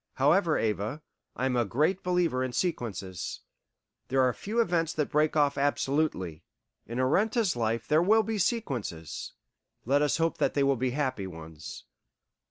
However, Ava, I am a great believer in sequences; there are few events that break off absolutely. In Arenta's life there will be sequences; let us hope that they will be happy ones.